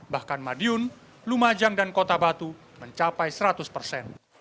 bahkan madiun lumajang dan kota batu mencapai seratus persen